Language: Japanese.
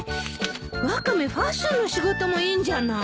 ワカメファッションの仕事もいいんじゃない？